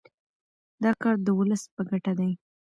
دا کار د ولس په ګټه دی.